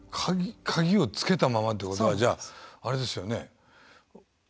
鍵をつけたままってことはじゃああれですよね